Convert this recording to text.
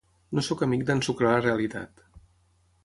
No sóc amic d’ensucrar la realitat.